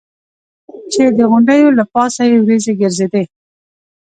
چې د غونډیو له پاسه یې ورېځې ګرځېدې.